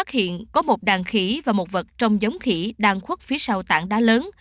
hiện có một đàn khỉ và một vật trông giống khỉ đang khuất phía sau tảng đá lớn